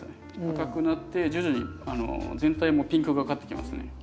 赤くなって徐々に全体もピンクがかってきますね。